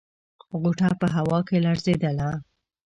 غوټه په هوا کې لړزېدله.